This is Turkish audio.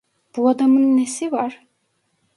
Bu adamın nesi var?